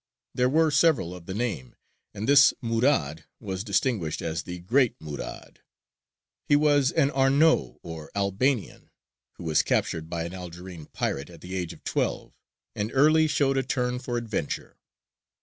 There were several of the name, and this Murād was distinguished as the Great Murād. He was an Arnaut or Albanian, who was captured by an Algerine pirate at the age of twelve, and early showed a turn for adventure.